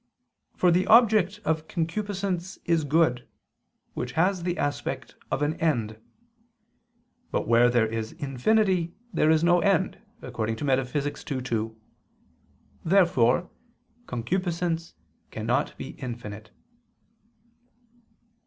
For the object of concupiscence is good, which has the aspect of an end. But where there is infinity there is no end (Metaph. ii, 2). Therefore concupiscence cannot be infinite.